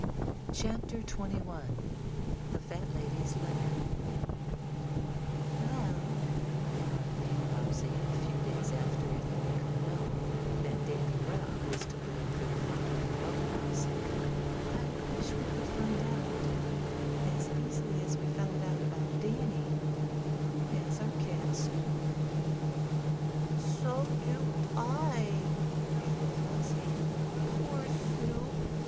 CHAPTER XXI THE FAT LADY'S LETTER "WELL," remarked Nan Bobbsey, a few days after it had become known that Danny Rugg was to blame for the fire in the boathouse, "I wish we could find out, as easily as we found out about Danny, who has our cat Snoop." "So do I," added Flossie. "Poor Snoop!